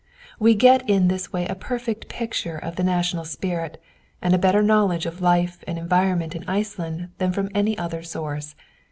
We get in this way a perfect picture of the national spirit, and a better knowledge of life and environment in Iceland than from any other source.